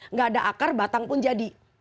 nggak ada akar batang pun jadi